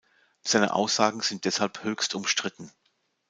Seine Aussagen sind deshalb höchst umstritten.